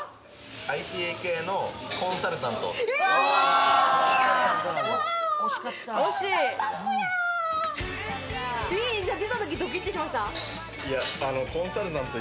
ＩＴ系のコンサルタント。